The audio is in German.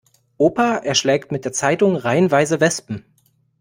Opa erschlägt mit der Zeitung reihenweise Wespen.